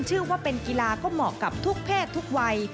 ชื่อว่าเป็นกีฬาก็เหมาะกับทุกเพศทุกวัย